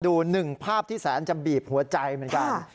หนึ่งภาพที่แสนจะบีบหัวใจเหมือนกัน